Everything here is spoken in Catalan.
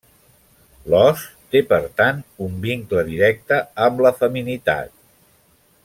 L’os té, per tant, un vincle directe amb la feminitat.